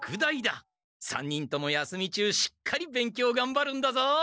３人とも休み中しっかり勉強がんばるんだぞ！